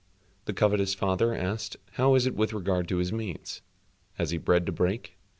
The covetous father asked, "How is it with regard to his means? Has he bread to break?"